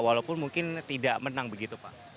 walaupun mungkin tidak menang begitu pak